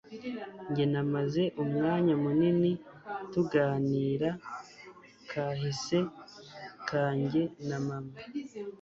Njye namaze umwanya munini tuganira kahise kanjye na mama.